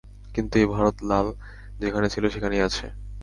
কিন্তু এই ভারত লাল যেখানে ছিল সেখানেই আছে।